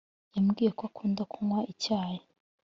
yambwiye ko akunda kunnywa icyayi